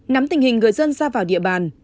nắm tình hình người dân ra vào địa bàn